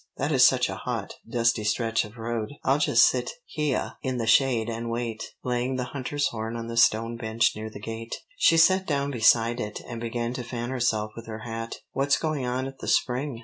That is such a hot, dusty stretch of road. I'll just sit heah in the shade and wait." Laying the hunter's horn on the stone bench near the gate, she sat down beside it and began to fan herself with her hat. "What's going on at the spring?"